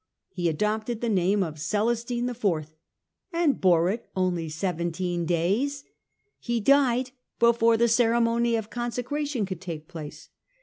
He adopted the name of Celestine IV and bore it only seventeen days : he died before the ceremony of conse cration could take place.